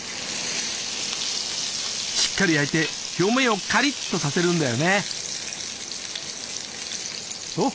しっかり焼いて表面をカリッとさせるんだよね。